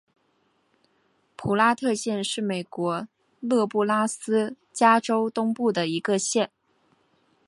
普拉特县是美国内布拉斯加州东部的一个县。